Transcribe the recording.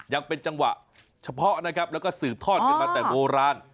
ยังเป็นจังหวะเฉพาะนะครับแล้วก็สืบทอดกันมาแต่โบราณ